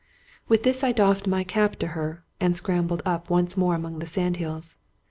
With this I doffed my cap to her, and scram'^ ed up once more among the sand hills.